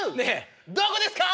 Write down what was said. どこですか？